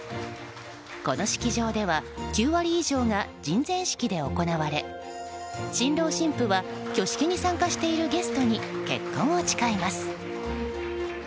この式場では９割以上が人前式で行われ新郎新婦は挙式に参加しているゲストに結婚を誓います。